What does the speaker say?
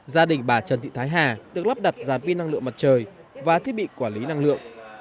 gia đình bà trần thị thái hà được lắp đặt giá pin năng lượng mặt trời và thiết bị quản lý năng lượng